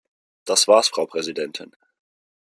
Das war's, Frau Präsidentin.